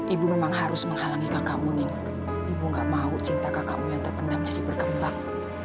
ibu memang harus menghalangi kakakmu nih ibu gak mau cinta kakakmu yang terpendam jadi berkembang